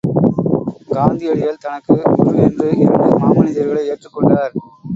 காந்தியடிகள் தனக்கு குரு என்று இரண்டு மாமனிதர்களை ஏற்றுக் கொண்டார்.